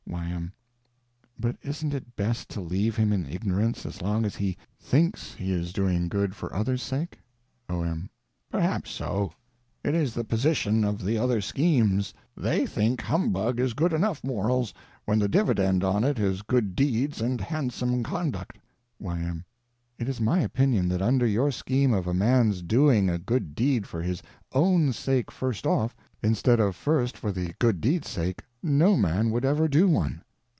Y.M. But isn't it best to leave him in ignorance, as long as he _thinks _he is doing good for others' sake? O.M. Perhaps so. It is the position of the other schemes. They think humbug is good enough morals when the dividend on it is good deeds and handsome conduct. Y.M. It is my opinion that under your scheme of a man's doing a good deed for his _own _sake first off, instead of first for the _good deed's _sake, no man would ever do one.